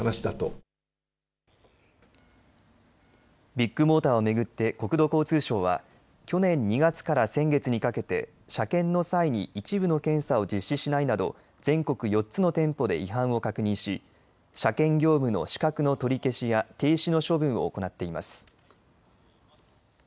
ビッグモーターを巡って国土交通省は去年２月から先月にかけて車検の際に一部の検査を実施しないなど全国４つの店舗で違反を確認し車検業務の資格の取り消しや停止の処分を行っています。